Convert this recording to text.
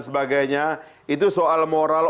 sebagainya itu soal moral